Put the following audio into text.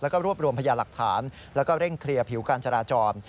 แล้วก็รวบรวมพยาหลักฐานแล้วก็เร่งเคลียร์ผิวการจราจร